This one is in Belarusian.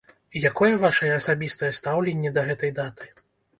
Якое вашае асабістае стаўленне да гэтай даты?